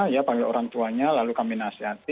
ya panggil orang tuanya lalu kami nasihat